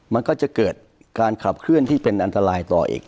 มันก็จะเกิดการขับเคลื่อนที่เป็นอันตรายต่ออีก